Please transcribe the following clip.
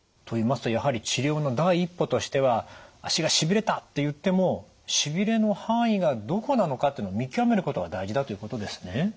といいますとやはり治療の第一歩としては「足がしびれた」っていってもしびれの範囲がどこなのかってのを見極めることが大事だということですね。